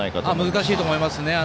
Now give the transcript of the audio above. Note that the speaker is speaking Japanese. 難しいと思いますね。